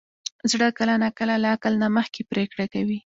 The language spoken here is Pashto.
زړه کله ناکله له عقل نه مخکې پرېکړه کوي.